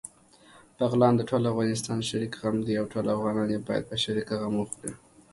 بغلان دټول افغانستان شريک غم دی، او ټول افغانان يې باېد په شريکه غم وخوري